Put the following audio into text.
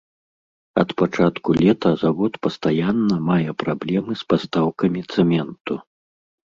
Ад пачатку лета завод пастаянна мае праблемы з пастаўкамі цэменту.